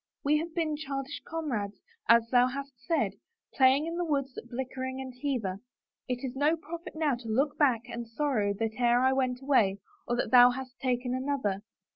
We have been childish comrades, as thou hast said, playing in the woods at Blickling and Hever. It is no profit now to look back and sorrow that e'er I went away or that thou hast taken another.